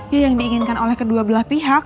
ya yang diinginkan oleh kedua belah pihak